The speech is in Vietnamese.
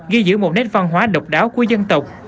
ghi giữ một nét văn hóa độc đáo của dân tộc